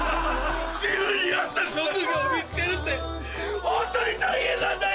自分に合った職業を見つけるってホントに大変なんだよ‼